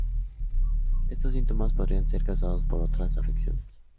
Estos síntomas podrían ser causados por otras afecciones.